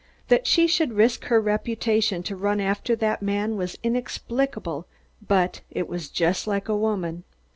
That she should risk her reputation to run after that man was inexplicable, but it was just like a woman.